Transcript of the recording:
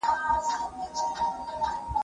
زه به مينه څرګنده کړې وي؟